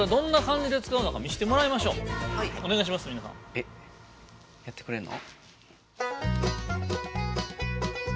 えっやってくれんの？